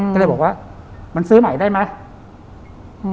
ก็เลยบอกว่ามันซื้อใหม่ได้ไหม